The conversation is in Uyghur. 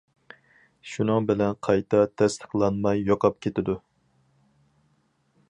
شۇنىڭ بىلەن قايتا تەستىقلانماي يوقاپ كېتىدۇ.